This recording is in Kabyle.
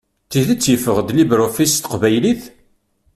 D tidet yeffeɣ-d LibreOffice s teqbaylit?